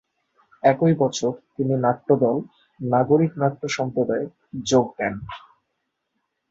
একই বছর, তিনি নাট্যদল "নাগরিক নাট্য সম্প্রদায়ে" যোগ দেন।